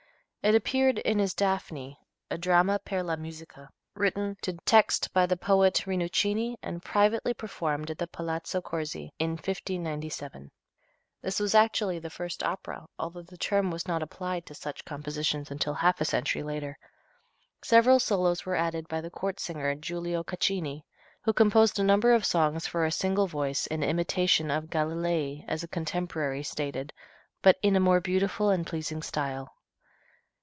It appeared in his "Daphne," a "Dramma per la Musica," written to text by the poet Rinuccini and privately performed at the Palazzo Corsi, in 1597. This was actually the first opera, although the term was not applied to such compositions until half a century later. Several solos were added by the court singer, Giulio Caccini, who composed a number of songs for a single voice, "in imitation of Galilei," as a contemporary stated, "but in a more beautiful and pleasing style."